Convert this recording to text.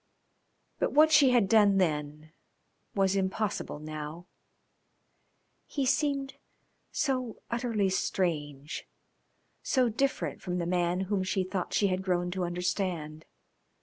But what she had done then was impossible now. He seemed so utterly strange, so different from the man whom she thought she had grown to understand.